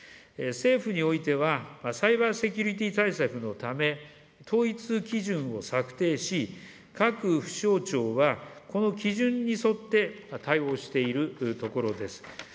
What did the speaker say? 政府においては、サイバー・セキュリティー対策のため、統一基準を策定し、各府省庁はこの基準に沿って対応しているところです。